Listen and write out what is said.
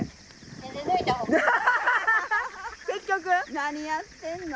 何やってんの。